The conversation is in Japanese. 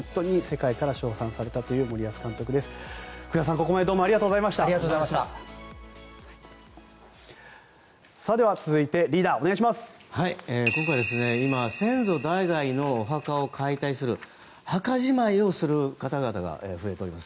今回今、先祖代々のお墓を解体する墓じまいをする方々が増えております。